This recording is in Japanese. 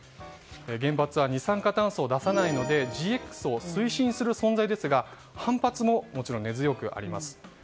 原発は二酸化炭素を出さないのでＧＸを推進する存在ですがもちろん反発も根強くあります。